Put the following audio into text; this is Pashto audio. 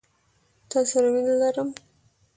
تا سره مينه لرم